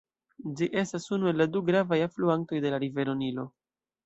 Ĝi estas unu el la du gravaj alfluantoj de la Rivero Nilo.